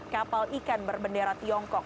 kapal ikan berbendera tiongkok